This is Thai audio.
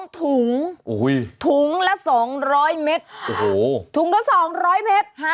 ๒ถุงถุงละ๒๐๐เมตรถุงละ๒๐๐เมตร